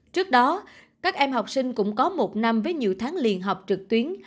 trước đó các em học sinh cũng có một năm với nhiều tháng liền học trực tuyến